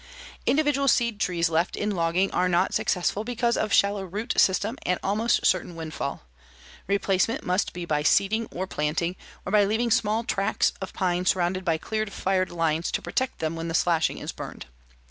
Individual seed trees left in logging are not successful because of shallow root system and almost certain windfall. Replacement must be by seeding or planting, or by leaving small tracts of pine surrounded by cleared fire lines to protect them when the slashing is burned.